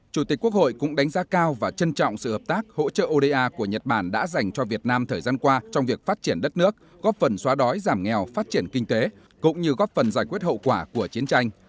chủ tịch quốc hội cũng đánh giá cao và trân trọng sự hợp tác hỗ trợ oda của nhật bản đã dành cho việt nam thời gian qua trong việc phát triển đất nước góp phần xóa đói giảm nghèo phát triển kinh tế cũng như góp phần giải quyết hậu quả của chiến tranh